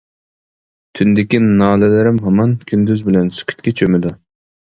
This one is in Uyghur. تۈندىكى نالىلىرىم ھامان كۈندۈز بىلەن سۈكۈتكە چۆمىدۇ.